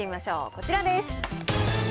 こちらです。